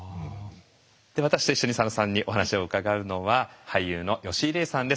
私と一緒に佐野さんにお話を伺うのは俳優の吉井怜さんです。